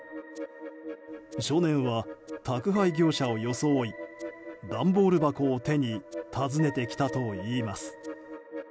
少年は宅配業者を装い段ボール箱を手に訪ねてきたといいます。